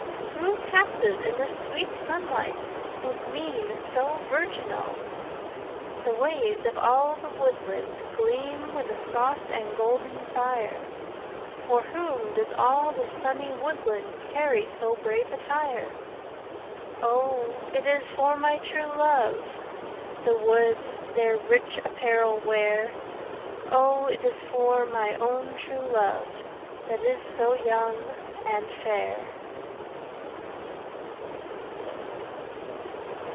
Who passes in the sweet sunlight With mien so virginal? The ways of all the woodland Gleam with a soft and golden fire For whom does all the sunny woodland Carry so brave attire? O, it is for my true love The woods their rich apparel wear O, it is for my own true love, That is so young and fair.